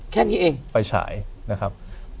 แค่นี้เองไฟฉายนะครับ